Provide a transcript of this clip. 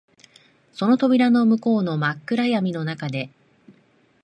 その扉の向こうの真っ暗闇の中で、